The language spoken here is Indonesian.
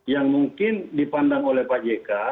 yang mungkin dipandang oleh pak jk